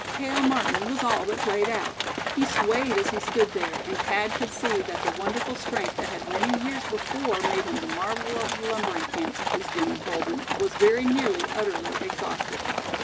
Cale Martin was all but played out. He swayed as he stood there, and Thad could see that the wonderful strength that had many years before made him the marvel of the lumbering camps, as Jim had told him, was very nearly utterly exhausted.